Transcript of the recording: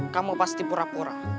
kamu pasti pura pura